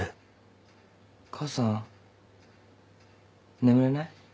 母さん眠れない？